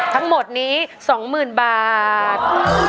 ทั้งหมดนี้๒๐๐๐บาท